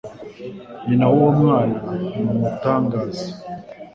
Nyina wuwo mwana ni umutangaza.